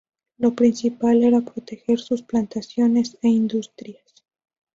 Lo principal era proteger sus plantaciones e industrias.